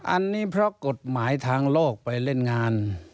อันนี้เพราะกฎหมายทางโลกไปเล่นงาน